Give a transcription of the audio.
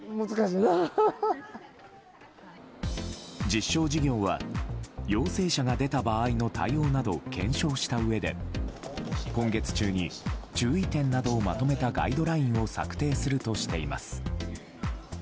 実証事業は陽性者が出た場合の対応などを検証したうえで、今月中に注意点などをまとめたガイドラインを策定するとしています。